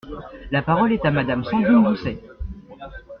La parole est à Madame Sandrine Doucet.